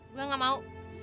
gue gak mau